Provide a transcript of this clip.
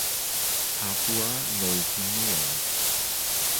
Papua New Guinea.